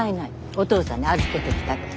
お父さんに預けてきたから。